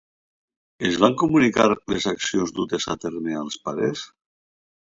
Es van comunicar les accions dutes a terme als pares?